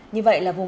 như vậy là vùng